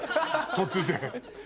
突然。